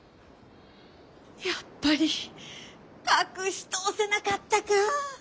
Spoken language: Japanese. やっぱり隠し通せなかったか。